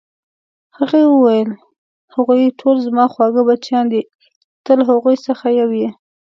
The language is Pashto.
هغې وویل: هغوی ټول زما خواږه بچیان دي، ته له هغو څخه یو یې.